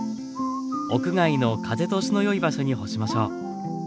屋外の風通しのよい場所に干しましょう。